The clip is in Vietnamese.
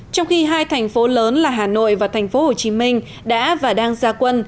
trong khi hai thành phố lớn là hà nội và thành phố hồ chí minh đã và đang gia quân